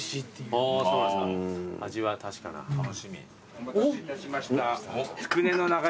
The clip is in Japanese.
お待たせいたしました。